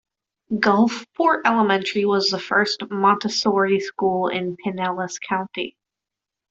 Gulfport Elementary was the first Montessori school in Pinellas County.